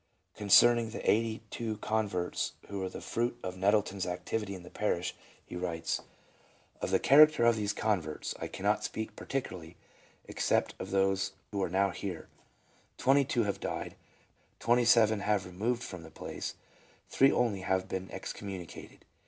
Concerning the eighty two converts who were the fruit of Nettleton's activity in the parish, he writes, " Of 322 LEUBA : the character of these converts, I cannot speak particularly, ex cept of those who are now here. Twenty two have died, twenty seven have removed from the place, three only have been excom municated.